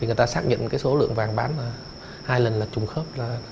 vì người ta xác nhận số lượng vàng bán hai lần trùng khớp